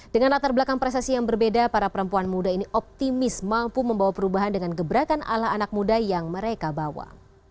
dengan latar belakang prestasi yang berbeda para perempuan muda ini optimis mampu membawa perubahan dengan gebrakan ala anak muda yang mereka bawa